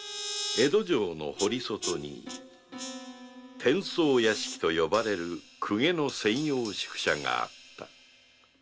江戸城の堀外に「伝奏屋敷」と呼ばれる公家の専用宿舎があった